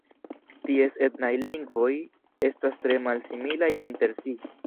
Ties etnaj lingvoj estas tre malsimilaj inter si.